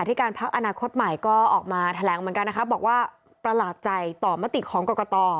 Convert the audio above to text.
ที่การพักอนาคตใหม่ก็ออกมาแถลงเหมือนกันนะคะบอกว่าประหลาดใจต่อมติของกรกต